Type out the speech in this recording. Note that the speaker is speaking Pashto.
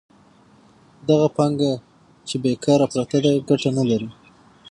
دغه پانګه چې بېکاره پرته ده ګټه نلري